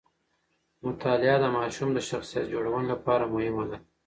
مطالعه د ماشوم د شخصیت جوړونې لپاره مهمه ده.